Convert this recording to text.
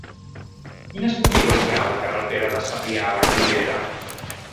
Quines botigues hi ha a la carretera de Sarrià a Vallvidrera?